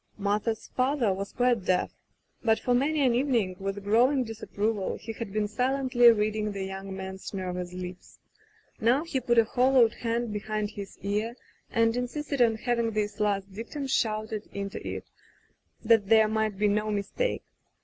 Martha's father was quite deaf, but for many an evening, with growing disapproval, he had been silently reading the young man's nervous lips. Now he put a hollowed hand behind his ear and insisted on having this last dictum shouted into it, that there might be no mistake.